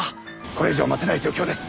これ以上待てない状況です！